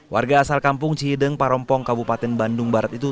warga asal kampung cihideng parompong kabupaten bandung barat itu